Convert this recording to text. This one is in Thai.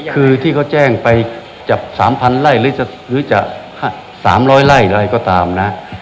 คือที่เขาแจ้งไปจับ๓๐๐ไร่หรือจะ๓๐๐ไร่อะไรก็ตามนะ